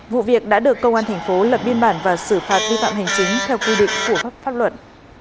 vụ việc đã được công an thành phố lập biên bản và xử phạt vi phạm hành chính theo quy định của pháp luật